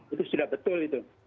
itu sudah betul itu